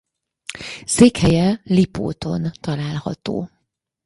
Székhelye Lipóton található.